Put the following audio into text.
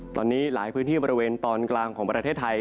ตอนนี้หลายพื้นที่บริเวณตอนกลางของประเทศไทย